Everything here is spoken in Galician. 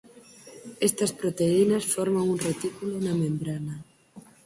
Estas proteínas forman un retículo na membrana.